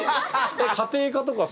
家庭科とかさ